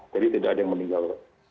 jadi tidak ada yang meninggal